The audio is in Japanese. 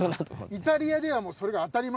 イタリアではそれが当たり前。